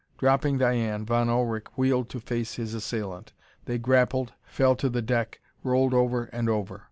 Dropping Diane, Von Ullrich wheeled to face his assailant. They grappled, fell to the deck, rolled over and over.